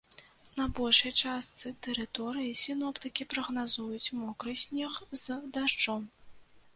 На большай частцы тэрыторыі сіноптыкі прагназуюць мокры снег з дажджом.